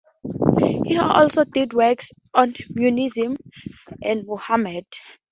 He also did works on Monism and Muhammad.